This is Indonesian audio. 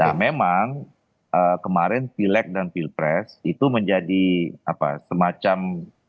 nah memang kemarin filek dan filpres itu menjadi semacam